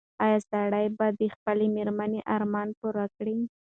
ایا سړی به د خپلې مېرمنې ارمان پوره کړي؟